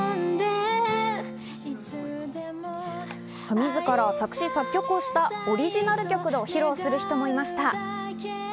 自ら作詞作曲をしたオリジナル曲を披露する人もいました。